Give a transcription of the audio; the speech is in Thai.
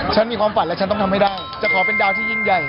ฉันมีความฝันและฉันต้องทำให้ได้จะขอเป็นดาวที่ยิ่งใหญ่